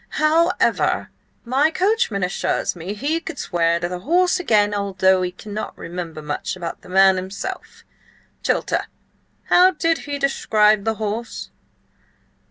"However, my coachman assures me he could swear to the horse again, although he cannot remember much about the man himself. Chilter! How did he describe the horse?"